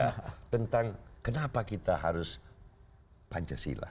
dan itu adalahnya tentang kenapa kita harus pancasila